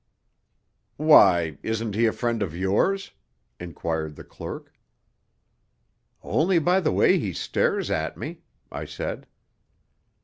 "Why, isn't he a friend of yours?" inquired the clerk. "Only by the way he stares at me," I said.